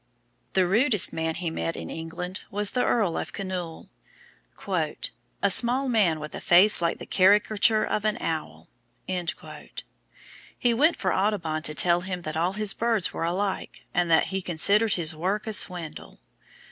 The rudest man he met in England was the Earl of Kinnoul: "A small man with a face like the caricature of an owl." He sent for Audubon to tell him that all his birds were alike, and that he considered his work a swindle.